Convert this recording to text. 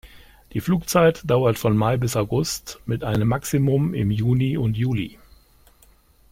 Die Flugzeit dauert von Mai bis August, mit einem Maximum im Juni und Juli.